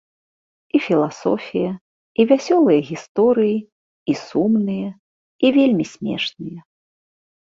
І філасофія, і вясёлыя гісторыі, і сумныя, і вельмі смешныя.